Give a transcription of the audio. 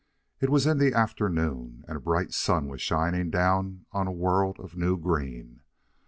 It was in the afternoon, and a bright sun was shining down on a world of new green.